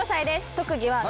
特技は。